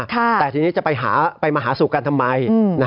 แต่ทีนี้จะไปมาหาสู่กันทำไม